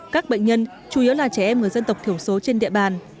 các bệnh nhân chủ yếu là trẻ em người dân tộc thiểu số trên địa bàn